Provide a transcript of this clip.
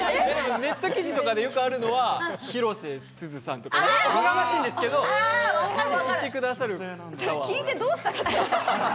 ネット記事とかでよくあるのは、広瀬すずさんとか、おこがましいんですけど、言ってくださる方はおられます。